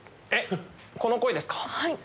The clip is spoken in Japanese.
この声ですか。